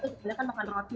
kita kan makan roti